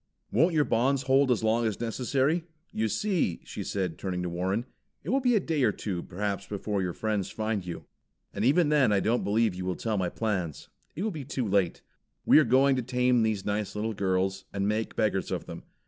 "Won't your bonds hold as long as necessary? You see," she said, turning to Warren, "it will be a day or two perhaps before your friends find you. And even then I don't believe you will tell my plans. It will be too late. We are going to tame these nice little girls, and make beggars of them.